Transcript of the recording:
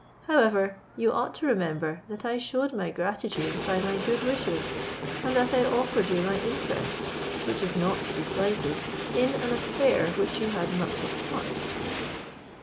However, you ought to remember, that I shewed my gratitude by my good wishes, and that I offered you my interest, which is not to be slighted, in an affair which you had much at heart."